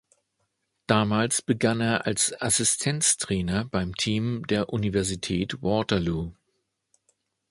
Damals begann er als Assistenztrainer beim Team der Universität Waterloo.